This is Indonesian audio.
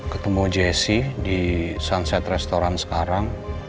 ketemu jessy di sunset restaurant sekarang